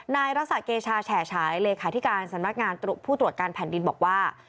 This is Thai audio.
นายรักษาเกชาแฉฉายเลขาธิการสำนักงานผู้ตรวจการแผ่นดินบอกว่า